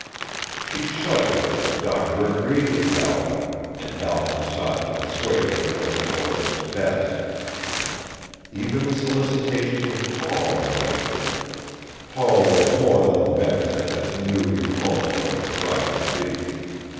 She shuddered as the doctor agreed with Balcom, and Balcom sought to persuade her that the course was best. Even the solicitations of Paul annoyed her. Paul was more than vexed at this new repulse from his bride to be.